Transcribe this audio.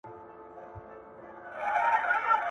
موږ باید خپله پوهه شریکه کړو.